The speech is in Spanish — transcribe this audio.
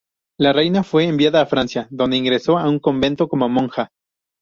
La reina fue enviada a Francia, donde ingresó en un convento como monja.